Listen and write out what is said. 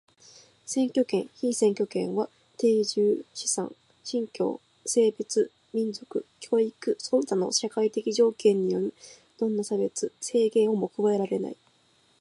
選挙権、被選挙権は定住、資産、信教、性別、民族、教育その他の社会的条件によるどんな差別、制限をも加えられない。